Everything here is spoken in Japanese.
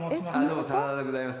どうも真田でございます。